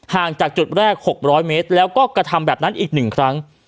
ห่างจากจุดแรก๖๐๐เมตรแล้วก็กระทำแบบนั้นอีก๑ครั้ง